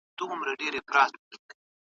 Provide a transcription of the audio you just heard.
ښکاري و ویشتی هغه موږک یارانو